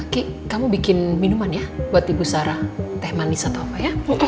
kik kamu bikin minuman ya buat ibu sara teh manis atau apa ya